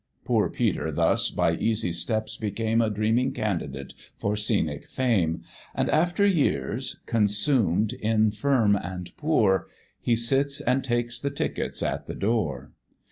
Poor Peter thus by easy steps became A dreaming candidate for scenic fame, And, after years consumed, infirm and poor, He sits and takes the tickets at the door.